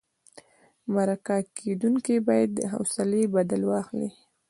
مرکه کېدونکی باید د حوصلې بدل واخلي.